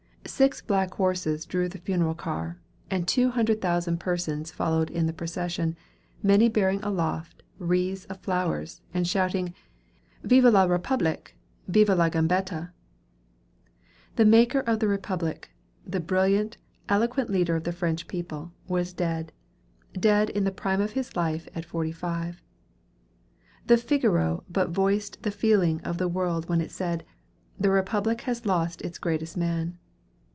Six black horses drew the funeral car, and two hundred thousand persons followed in the procession, many bearing aloft wreaths of flowers, and shouting, "Vive la Republique! Vive la Gambetta!" The maker of the Republic, the brilliant, eloquent leader of the French people, was dead; dead in the prime of his life at forty five. The "Figaro" but voiced the feeling of the world when it said, "The Republic has lost its greatest man."